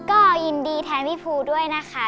ก็ยินดีแทนพี่ภูด้วยนะคะ